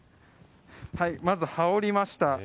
まず羽織りました。